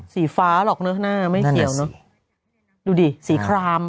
สีฟ้าหรอกเนอะหน้าไม่เขียวเนอะดูดิสีคราม